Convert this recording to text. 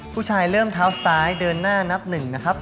ผู้ชายเริ่มเท้าซ้ายเดินหน้านับหนึ่งนะครับ